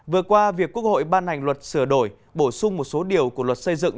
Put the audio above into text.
vừa qua việc quốc hội ban hành luật sửa đổi bổ sung một số điều của luật xây dựng